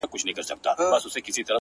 د شاعرۍ ياري كړم ـ